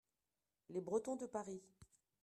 Les Bretons de Paris.